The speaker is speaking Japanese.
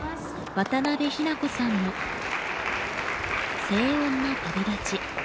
渡邉日菜子さんの静穏な旅立ち。